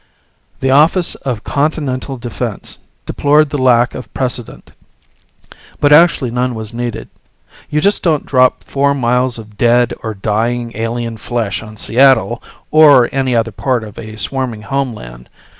The Office of Continental Defense deplored the lack of precedent. But actually none was needed. You just don't drop four miles of dead or dying alien flesh on Seattle or any other part of a swarming homeland.